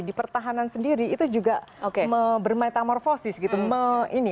di pertahanan sendiri itu juga bermetamorfosis menyesuaikan dengan konsep itu